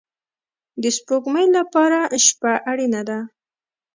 د سپوږمۍ لپاره شپه اړین ده